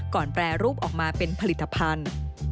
แปรรูปออกมาเป็นผลิตภัณฑ์